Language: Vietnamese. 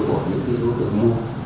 của những đối tượng mua